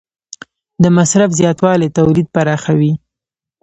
د مصرف زیاتوالی تولید پراخوي.